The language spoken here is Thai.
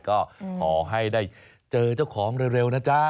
ก็ขอให้ได้เจอเจ้าของเร็วนะจ๊ะ